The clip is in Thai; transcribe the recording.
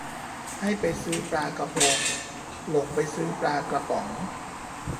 ให้ไปซื้อปลากะพง หลงไปซื้อปลากระป๋อง